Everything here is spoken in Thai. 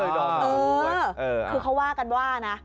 เออคือเขาว่ากันว่านะ